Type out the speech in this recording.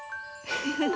フフフ。